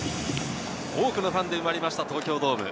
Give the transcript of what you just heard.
多くのファンで埋まりました東京ドーム。